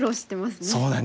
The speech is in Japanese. そうなんです